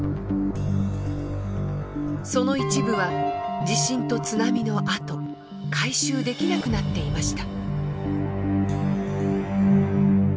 その一部は地震と津波のあと回収できなくなっていました。